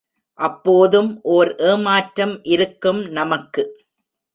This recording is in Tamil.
அப்போதும் ஓர் எமாற்றம் இருக்கும் நமக்கு.